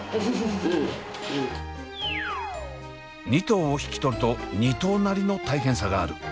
２頭を引き取ると２頭なりの大変さがある。